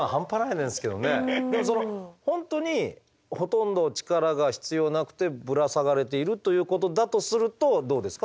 でもその本当にほとんど力が必要なくてぶら下がれているということだとするとどうですか？